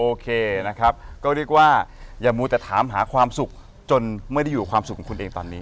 โอเคนะครับก็เรียกว่าอย่ามัวแต่ถามหาความสุขจนไม่ได้อยู่ความสุขของคุณเองตอนนี้